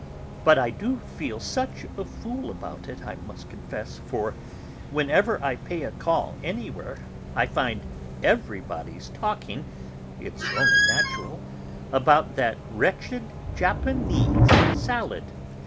But I do feel such a fool about it, I must confess, for, whenever I pay a call anywhere, I find everybody talking it's only natural about that wretched Japanese salad.